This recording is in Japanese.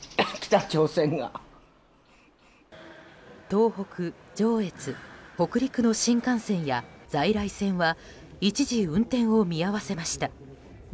東北、上越、北陸の新幹線や在来線は一時運転を見合わせました。